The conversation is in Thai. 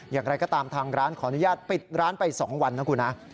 อย่างไรก็ตามทางร้านขออนุญาตปิดร้านไป๒วันนะคุณฮะ